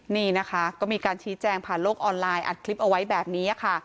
นี่นะคะก็มีการชี้แจงผ่านโลกออนไลน์อัดคลิปเอาไว้แบบนี้ค่ะ